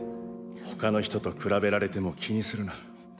他の人と比べられても気にするな。